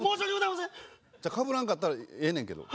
かぶらんかったらええねんけど。